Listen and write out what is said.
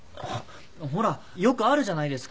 ほらよくあるじゃないですか。